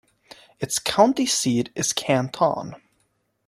Its county seat is Canton.